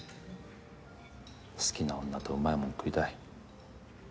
好きな女とうまいもん食いたい。